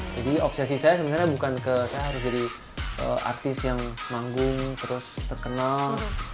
jadi obsesi saya sebenarnya bukan ke saya harus jadi artis yang manggung terus terkenal